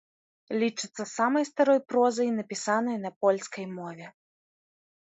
Лічацца самай старой прозай, напісанай на польскай мове.